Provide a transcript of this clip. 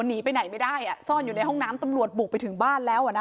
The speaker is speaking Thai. หนีไปไหนไม่ได้ซ่อนอยู่ในห้องน้ำตำรวจบุกไปถึงบ้านแล้ว